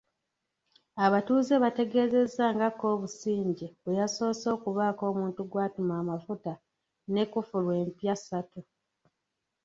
Abatuuze bategeezezza nga Kobusingye bwe yasoose okubaako omuntu gw'atuma amafuta ne kkufulu empya ssatu.